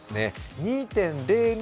２．０７